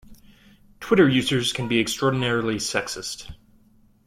Twitter users can be extraordinarily sexist